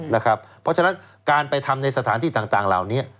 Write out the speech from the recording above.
เพราะฉะนั้นการไปทำในสถานที่ต่างเหล่านี้